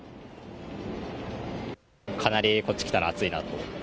かなりこっち来たら暑いなと思って。